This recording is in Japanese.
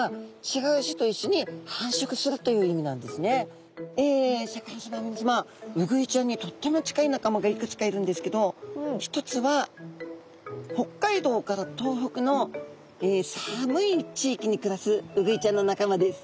シャーク香音さまみなさまウグイちゃんにとっても近い仲間がいくつかいるんですけど一つは北海道から東北の寒い地域に暮らすウグイちゃんの仲間です。